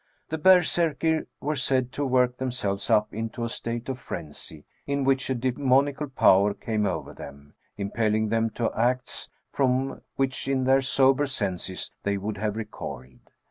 The berserkir were said to work 40 THE BOOK OF WERE WOLVES. themselves up into a state of frenzy, in whieh a demoniacal power came over them, impelling them to acts from which in their sober senses they would have recoiled.